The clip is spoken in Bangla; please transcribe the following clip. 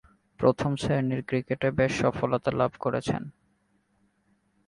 প্রথম-শ্রেণীর ক্রিকেটে বেশ সফলতা লাভ করেছেন।